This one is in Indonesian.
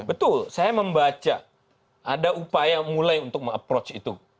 betul saya membaca ada upaya mulai untuk meng approach itu